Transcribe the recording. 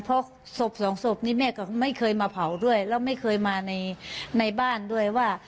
เพราะศพสองศพนี้แม่ก็ไม่เคยมาเผาด้วยแล้วไม่เคยมาในบ้านด้วยว่า